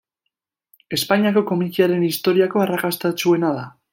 Espainiako komikiaren historiako arrakastatsuena da.